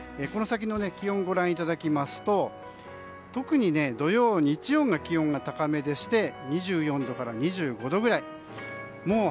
この先の気温をご覧いただきますと特に土曜日曜の気温が高めでして２４度から２５度くらい。